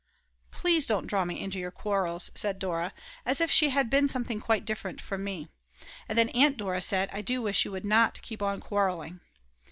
"Please don't draw me into your quarrels," said Dora, as if she had been something quite different from me. And then Aunt Dora said: "I do wish you would not keep on quarreling."